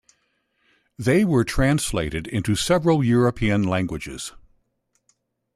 They were translated into several European languages.